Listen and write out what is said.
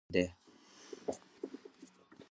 هغه ثابته کړه چې د تدبير خاوند دی.